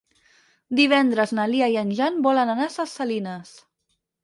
Divendres na Lia i en Jan volen anar a Ses Salines.